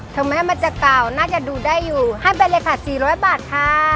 ถึงแม้มันจะเก่าน่าจะดูได้อยู่ให้ไปเลยค่ะ๔๐๐บาทค่ะ